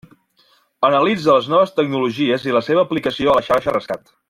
Analitza les noves tecnologies i la seva aplicació a la xarxa Rescat.